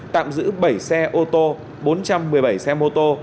tạm giữ bảy xe ô tô bốn trăm một mươi bảy xe mô tô